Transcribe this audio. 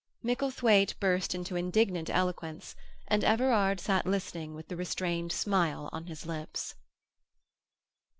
Micklethwaite burst into indignant eloquence, and Everard sat listening with the restrained smile on his lips.